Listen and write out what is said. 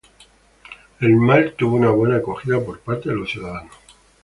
El mall tuvo una buena acogida por parte de los ciudadanos.